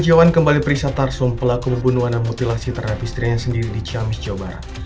dr kejewaan kembali periksa tarsum pelaku pembunuhan dan mutilasi terhadap istrinya sendiri di ciamis jawa barat